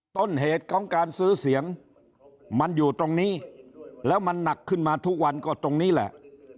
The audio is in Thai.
ต้นเหตุของการซื้อเสียงมันอยู่ตรงนี้แล้วมันหนักขึ้นมาทุกวันก็ตรงนี้แหละ